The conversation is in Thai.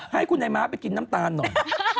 ให้คุณนายม้าไปกินน้ำตาลหน่อย